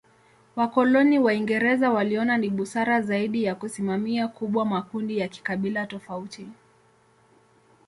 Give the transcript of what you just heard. Wakoloni Waingereza waliona ni busara zaidi ya kusimamia kubwa makundi ya kikabila tofauti.